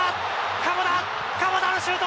鎌田のシュート！